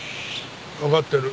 わかってる。